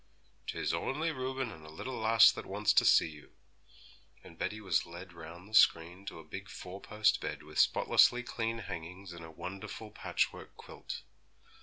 ''Tis only Reuben and a little lass that wants to see you.' And Betty was led round the screen to a big four post bed with spotlessly clean hangings and a wonderful patch work quilt.